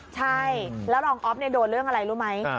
ใช่แล้วรองอ๊อฟโดนเรื่องอะไรรู้ไหม